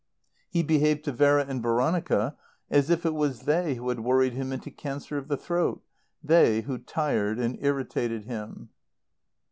He behaved to Vera and Veronica as if it was they who had worried him into cancer of the throat, they who tired and irritated him.